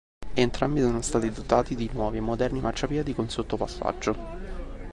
Entrambi sono stati dotati di nuovi e moderni marciapiedi con sottopassaggio.